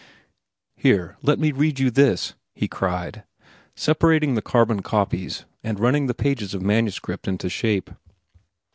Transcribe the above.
"Here, let me read you this," he cried, separating the carbon copies and running the pages of manuscript into shape.